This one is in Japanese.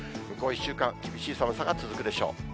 向こう１週間、厳しい寒さが続くでしょう。